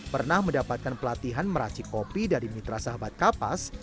pernah mendapatkan pelatihan meracik kopi dari mitra sahabat kapas